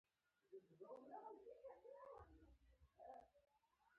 قلم د حقه نیتونو نتیجه ده